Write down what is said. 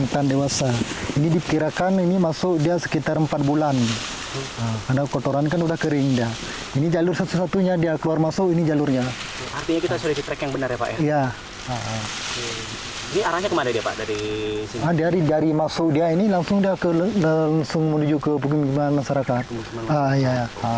tim delapan tidak terlalu rutin dalam melakukan patrolinya